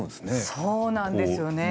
そうなんですね。